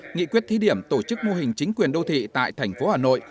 nghị quyết thí điểm tổ chức mô hình chính quyền đô thị tại thành phố hà nội